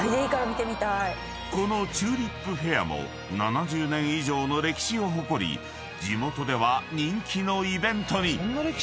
［このチューリップフェアも７０年以上の歴史を誇り地元では人気のイベントに］